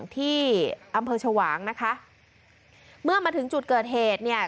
ที่อำเภอชวางนะคะเมื่อมาถึงจุดเกิดเหตุเนี่ย